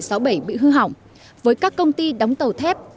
nhiều ngư dân tỉnh bình định sáu mươi bảy bị hư hỏng với các công ty đóng tàu thép